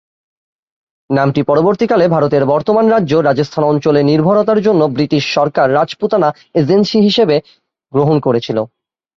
নামটি পরবর্তীকালে ভারতের বর্তমান রাজ্য রাজস্থান অঞ্চলে নির্ভরতার জন্য ব্রিটিশ সরকার রাজপুতানা এজেন্সি হিসাবে গ্রহণ করেছিল।